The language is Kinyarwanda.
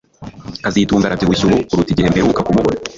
kazitunga arabyibushye ubu kuruta igihe mperuka kumubona